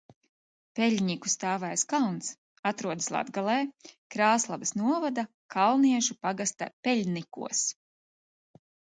Peļņiku Stāvais kalns atrodas Latgalē, Krāslavas novada Kalniešu pagasta Peļnikos.